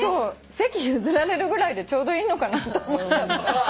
席譲られるぐらいでちょうどいいのかなと思っちゃった。